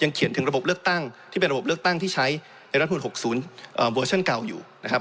เขียนถึงระบบเลือกตั้งที่เป็นระบบเลือกตั้งที่ใช้ในรัฐมนุน๖๐เวอร์ชั่นเก่าอยู่นะครับ